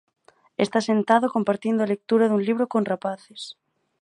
Está sentado compartindo a lectura dun libro con rapaces.